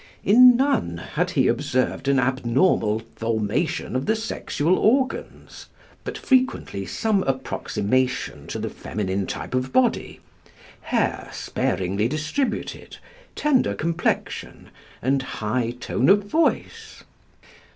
In none had he observed an abnormal formation of the sexual organs; but frequently some approximation to the feminine type of body hair sparingly distributed, tender complexion, and high tone of voice.